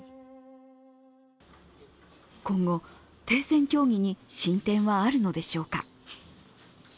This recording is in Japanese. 今後、停戦協議に進展はあるのでしょうか。